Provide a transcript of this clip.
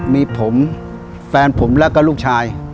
มีผมแฟนผมแล้วก็ลูกชาย